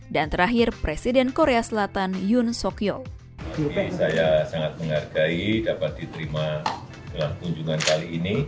dan terakhir presiden korea selatan yun seok yol